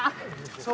そう。